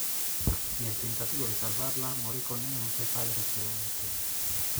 Nel tentativo di salvarla morì con lei anche il padre Creonte.